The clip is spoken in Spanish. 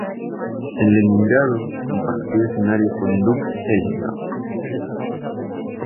En Leningrado compartió escenario con Duke Ellington.